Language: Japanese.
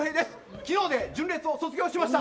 昨日で純烈を卒業しました。